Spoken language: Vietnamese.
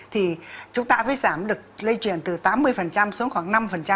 thì chúng ta với giảm được lây chuyển từ tám mươi xuống khoảng năm một mươi